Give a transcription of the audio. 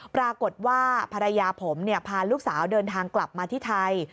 ปรากฏว่าภรรยาผมพาลูกสาวเดินทางกลับมาที่ไทย